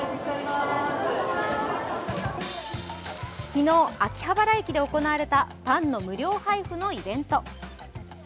昨日、秋葉原駅で行われたパンの無料配布のイベント。